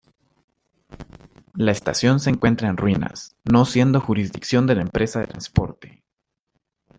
La estación se encuentra en ruinas, no siendo jurisdicción de la empresa de transporte.